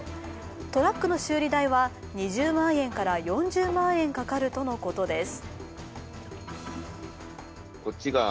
トラックの修理代は２０万円から４０万円かかるとのことです。